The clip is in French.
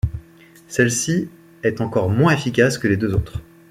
Celle-ci est encore moins efficace que les deux autres.